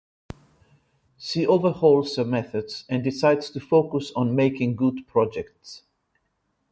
She overhauls her methods and decides to focus on making good projects.